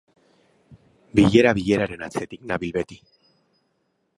Bilera bileraren atzetik nabil beti.